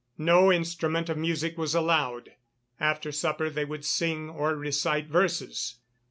No instrument of music was allowed. After supper they would sing, or recite verses.